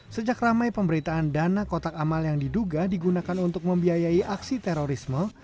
sejak ramai pemberitaan dana kotak amal yang diduga digunakan untuk membiayai aksi terorisme